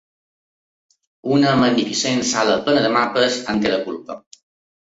Una magnificent sala plena de mapes en té la culpa.